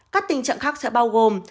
các tình trạng khác sẽ bao gồm